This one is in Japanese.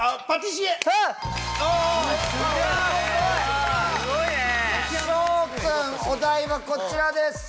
紫耀君お題はこちらです！